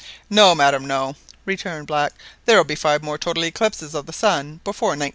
"No, madam, no," returned Black; "there will be five more total eclipses of the sun before 1900.